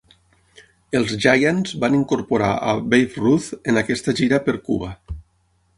Els Giants van incorporar a Babe Ruth en aquesta gira per Cuba.